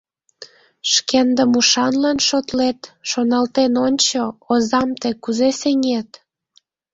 Шкендым ушанлан шотлет, шоналтен ончо: озам тый кузе сеҥет?